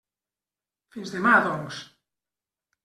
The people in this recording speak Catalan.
Fins demà, doncs.